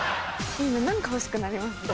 何か欲しくなりますね。